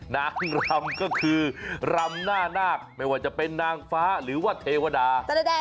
นางรำก็คือรำหน้านาคไม่ว่าจะเป็นนางฟ้าหรือว่าเทวดา